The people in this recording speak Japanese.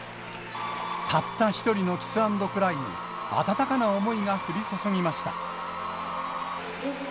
たった一人のキスアンドクライに温かな思いが降り注ぎました。